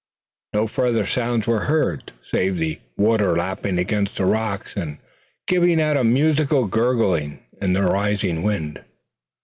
No further sounds were heard, save the water lapping among the rocks, and giving out a musical gurgling in the rising wind.